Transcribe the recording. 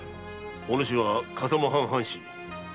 お主は笠間藩・藩士。